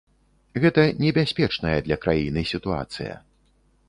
Гэта небяспечная для краіны сітуацыя.